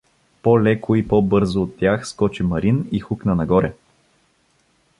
По-леко и по-бързо от тях скочи Марин и хукна нагоре.